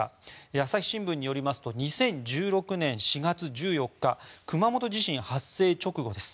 朝日新聞によりますと２０１６年４月１４日熊本地震発生直後です。